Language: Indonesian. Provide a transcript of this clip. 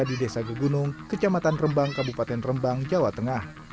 di desa gegunung kecamatan rembang kabupaten rembang jawa tengah